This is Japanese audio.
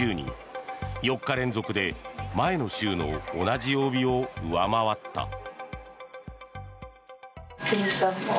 ４日連続で前の週の同じ曜日を上回った。